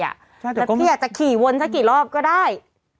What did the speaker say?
แล้วพี่อาจจะขี่วนเท่าไหร่กี่รอบก็ได้